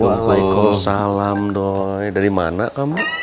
waalaikumsalam dari mana kamu